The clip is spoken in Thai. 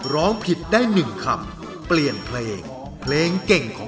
โดยผู้เข้าแข่งขันมีสิทธิ์ใช้ตัวช่วย๓ใน๖แผ่นป้ายตลอดการแข่งขัน